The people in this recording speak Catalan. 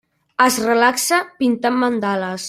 Es relaxa pintant mandales.